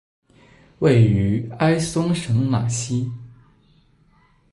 位于埃松省马西。